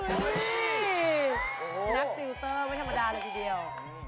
อุ๊ยนักซีลเตอร์ไม่ธรรมดาเลยทีเดียว